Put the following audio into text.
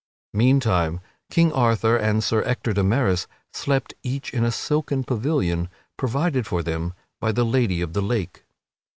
Meantime King Arthur and Sir Ector de Maris slept each in a silken pavilion provided for them by the Lady of the Lake.